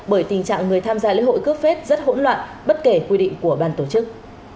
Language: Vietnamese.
bởi tình trạng người tham gia lễ hội cướp phết rất hỗn loạn bất kể quy định của ban tổ chức